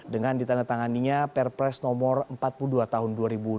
dengan ditandatangani perpres nomor empat puluh dua tahun dua ribu delapan belas